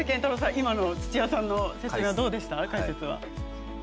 今の、土屋さんの解説はどうでしたか？